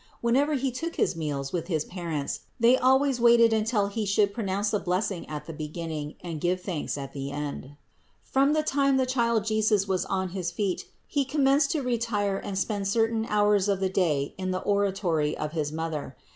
Whenever He took his meals with his parents they al ways waited until He should pronounce the blessing at the beginning and give thanks at the end. 693. From the time the Child Jesus was on his feet He commenced to retire and spent certain hours of the day in the oratory of his Mother.